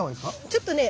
ちょっとね